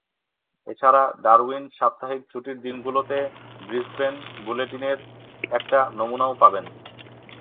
এছাড়া, ডারউইন সাপ্তাহিক ছুটির দিনগুলোতে ব্রিসবেন বুলেটিনের একটা নমুনাও পাবেন।